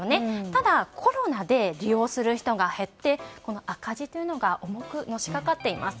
ただコロナで利用する人が減って赤字が重くのしかかっています。